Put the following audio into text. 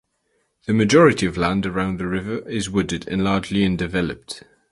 The majority of land around the river is wooded and largely undeveloped.